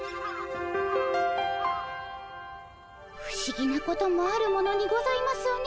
ふしぎなこともあるものにございますね。